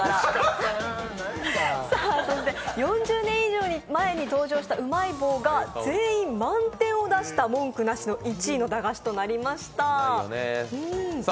それでは、４０年以上前に登場したうまい棒が全員、満点を出した文句なしの１位の駄菓子となりました。